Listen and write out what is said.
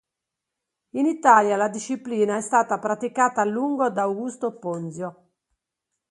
In Italia la disciplina è stata praticata a lungo da Augusto Ponzio.